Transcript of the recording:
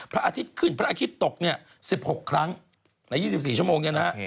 พระอาทิตย์ขึ้นพระอาทิตย์ตกเนี่ย๑๖ครั้งใน๒๔ชั่วโมงเนี่ยนะฮะ